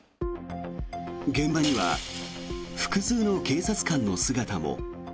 現場には複数の警察官の姿も。